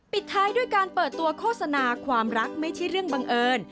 ปิดท้ายด้วยการเปิดตัวโฆษณาความรักไม่ใช่เรื่องบังเอิญ